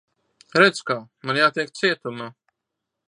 Redz, kā. Man jātiek cietumā.